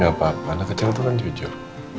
gak apa apa anak kecil itu kan jujur